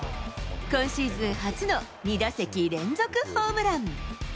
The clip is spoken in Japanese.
今シーズン初の２打席連続ホームラン。